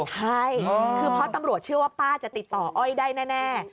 ใช่คือเพราะตำรวจเชื่อว่าป้าจะติดต่ออ้อยได้แน่